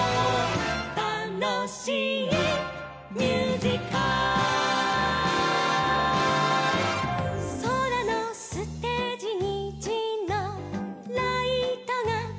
「たのしいミュージカル」「そらのステージにじのライトがきらりん」